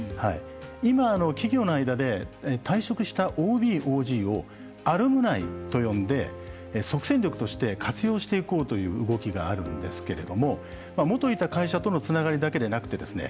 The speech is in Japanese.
今、企業の間で退職したＯＢ、ＯＧをアルムナイと呼んで、即戦力として活用していこうという動きがあるんですけれども元いた会社とのつながりだけでなくてですね